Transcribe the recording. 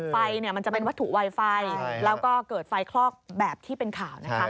ไฟมันจะเป็นวัตถุไวไฟแล้วก็เกิดไฟคลอกแบบที่เป็นข่าวนะคะ